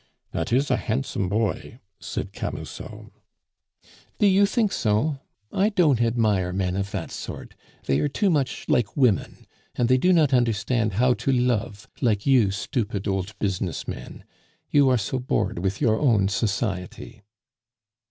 "That is a handsome boy," said Camusot. "Do you think so? I don't admire men of that sort; they are too much like women; and they do not understand how to love like you stupid old business men. You are so bored with your own society."